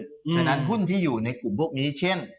ฉะนั้นหุ้นที่อยู่ในกลุ่มพวกนี้เช่น